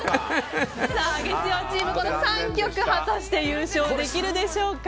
月曜チーム、この３曲果たして優勝できるでしょうか。